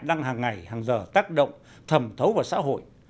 đang hàng ngày hàng giờ tác động thẩm thấu vào xã hội